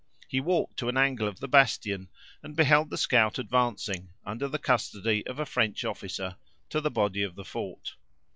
He walked to an angle of the bastion, and beheld the scout advancing, under the custody of a French officer, to the body of the fort.